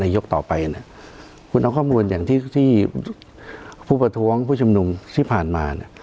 ยกต่อไปนะคุณเอาข้อมูลอย่างที่ที่ผู้ประท้วงผู้ชุมนุมที่ผ่านมาเนี่ย